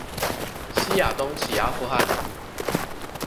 西亞東起阿富汗